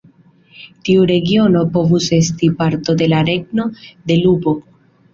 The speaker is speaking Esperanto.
Tiu regiono povus esti parto de la regno de Lupo.